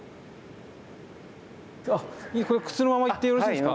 靴のまま行ってよろしいですか？